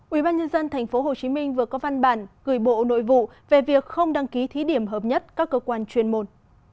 ubnd tp hcm vừa có văn bản gửi bộ nội vụ về việc không đăng ký thí điểm hợp nhất các cơ quan chuyên môn